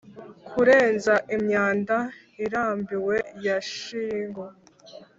kurenza imyanda irambiwe ya shingle;